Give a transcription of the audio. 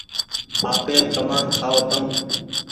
آپير ڪمآن کآئو تم